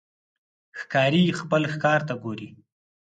ښکاري خپل ښکار ته ګوري.